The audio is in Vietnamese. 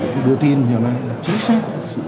thì đưa tin cho nó chính xác